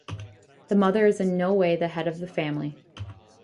The mother is in no way the head of the family.